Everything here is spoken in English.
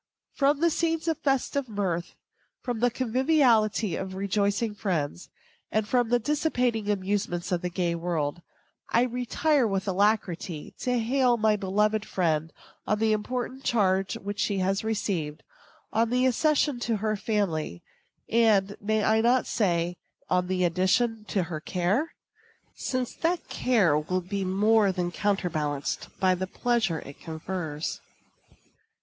From the scenes of festive mirth, from the conviviality of rejoicing friends, and from the dissipating amusements of the gay world, I retire with alacrity, to hail my beloved friend on the important charge which she has received; on the accession to her family, and, may I not say, on the addition to her care? since that care will be more than counterbalanced by the pleasure it confers.